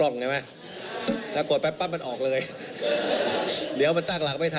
ในอิสาบัด